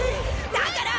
だから！